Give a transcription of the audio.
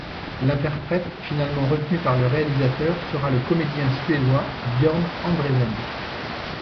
L'interprète finalement retenu par le réalisateur sera le comédien suédois Björn Andrésen.